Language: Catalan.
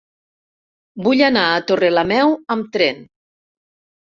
Vull anar a Torrelameu amb tren.